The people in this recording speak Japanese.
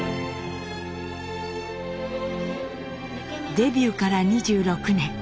デビューから２６年。